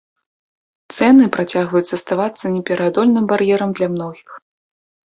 Цэны працягваюць заставацца непераадольным бар'ерам для многіх.